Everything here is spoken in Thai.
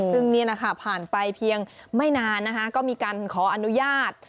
ซึ่งนี่แหละค่ะผ่านไปเพียงไม่นานนะคะก็มีการขออนุญาต